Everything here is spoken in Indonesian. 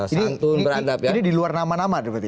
ini di luar nama nama berarti